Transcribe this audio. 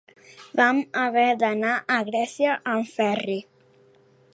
Vam haver d'anar a Grècia en ferri.